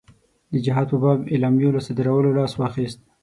د جهاد په باب اعلامیو له صادرولو لاس واخیست.